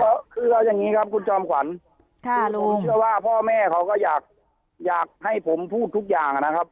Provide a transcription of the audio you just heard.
ก็คือเอาอย่างนี้ครับคุณจอมขวัญค่ะผมเชื่อว่าพ่อแม่เขาก็อยากอยากให้ผมพูดทุกอย่างนะครับ